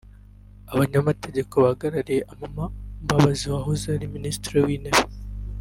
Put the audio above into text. abanyamategeko bahagarariye Amama Mbabazi wahoze ari Minisitiri w’Intebe